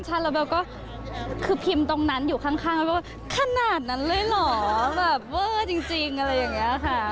ใช่แล้วเบลก็คือพิมพ์ตรงนั้นอยู่ข้างแล้วว่าขนาดนั้นเลยเหรอแบบเวอร์จริงอะไรอย่างนี้ค่ะ